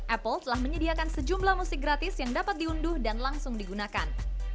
apple telah menyediakan sejumlah musik gratis yang dapat diunduh dan langsung digunakan